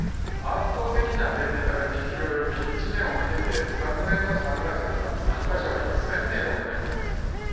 圧倒的な便利さが人気を呼び１年を経て昨年の３月には参加者数は１，０００名を超えました。